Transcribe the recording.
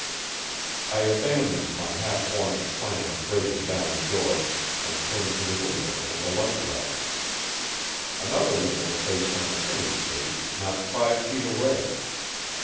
I abandoned my half formed plan of breaking down the door, and turned to the window and the light well. Another window faced on the same space, not five feet away.